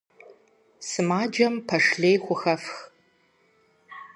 Сымаджэм пэш лей хухэфх.